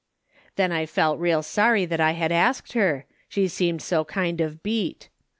" Then I felt real sorry that I had asked her, she seemed so kind of beat.